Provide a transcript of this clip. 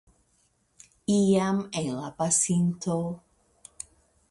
Iam en la pasinto.